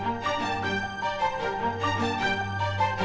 kau sabir pas dengan kehamilan mama